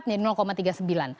empat jadi tiga puluh sembilan